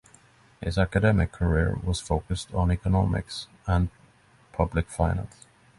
His academic career was focused on economics and public finance.